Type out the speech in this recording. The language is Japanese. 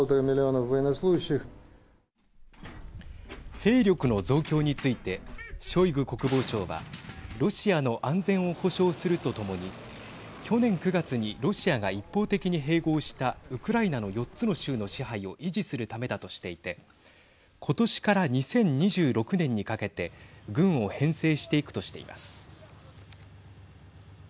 兵力の増強についてショイグ国防相はロシアの安全を保証するとともに去年９月にロシアが一方的に併合したウクライナの４つの州の支配を維持するためだとしていて今年から２０２６年にかけて軍を編成していくとしています。